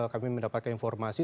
kami mendapatkan informasi